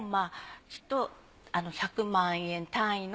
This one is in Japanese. きっと１００万円単位の。